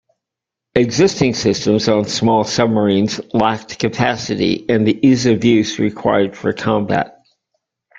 Existing systems on small submarines lacked capacity and the ease-of-use required for combat.